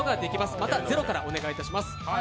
またゼロからお願いいたします。